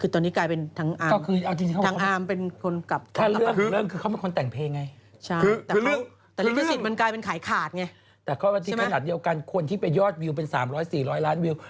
แต่เขาบอกว่าที่ขนาดเดียวกันควรที่ไปยอดวิวเป็น๓๐๐๔๐๐ล้านวิว